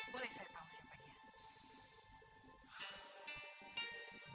boleh saya tahu siapakah